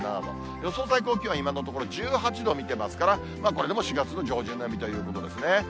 予想最高気温は今のところ１８度見てますから、これでも４月の上旬並みということですね。